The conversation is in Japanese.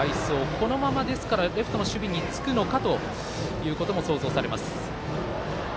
このままレフトの守備につくのかということが想像されます。